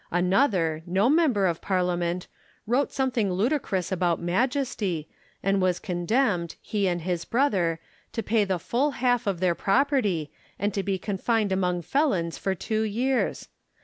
Another, no member of Parliament, wrote some thing ludicrous about Majesty, and was condemned, he and his brother, to pay the full half of their property, and to be confined among felons for two years